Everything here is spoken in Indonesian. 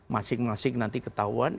masing masing nanti ketahuan